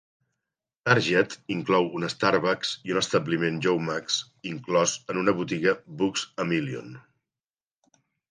Target inclou un Starbucks i un establiment Joe Muggs inclòs en una botiga Books-A-Million.